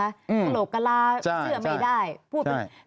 กะโหลกกะลาเสื่อไม่ได้